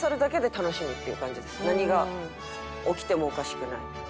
何が起きてもおかしくない。